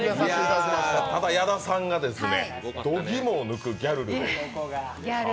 矢田さんが度肝を抜くギャル。